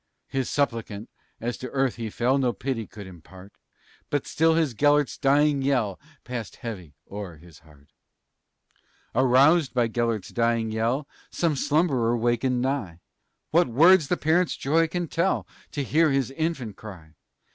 His suppliant, as to earth he fell, No pity could impart, But still his Gelert's dying yell Passed heavy o'er his heart. Aroused by Gelert's dying yell, Some slumberer wakened nigh; What words the parent's joy can tell To hear his infant cry!